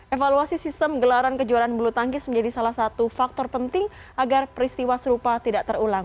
evaluasi sistem gelaran kejuaraan bulu tangkis menjadi salah satu faktor penting agar peristiwa serupa tidak terulang